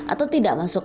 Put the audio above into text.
atau tidak berhasil